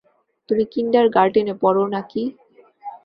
তুমি কিন্ডারগার্টেনে পড়ো না কি?